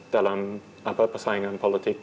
dalam apa persaingan politik